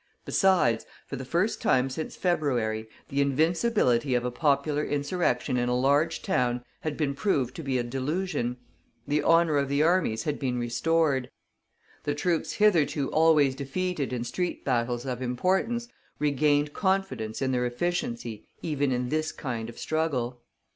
Besides, for the first time since February, the invincibility of a popular insurrection in a large town had been proved to be a delusion; the honor of the armies had been restored; the troops hitherto always defeated in street battles of importance regained confidence in their efficiency even in this kind of struggle.